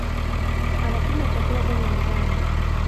Anapima chakula kwenye mzani